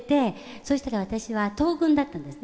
そしたら私は東軍だったんですね。